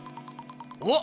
おっ！